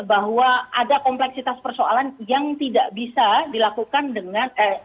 bahwa ada kompleksitas persoalan yang tidak bisa dilakukan dengan